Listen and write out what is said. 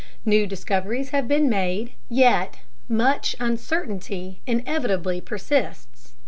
New discoveries have been made, yet much uncertainty inevitably persists.